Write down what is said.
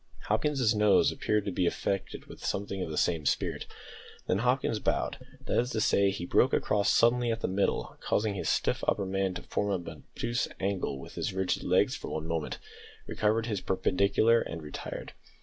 Hopkins's nose appeared to be affected with something of the same spirit. Then Hopkins bowed that is to say, he broke across suddenly at the middle, causing his stiff upper man to form an obtuse angle with his rigid legs for one moment, recovered his perpendicular and retired.